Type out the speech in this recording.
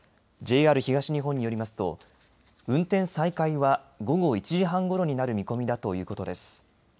ＪＲ東日本によりますと運転再開は午後１時半ごろになる見込みだということです。